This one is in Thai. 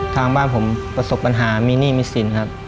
ทางบ้านผมประสบปัญหามีหนี้มีสินครับ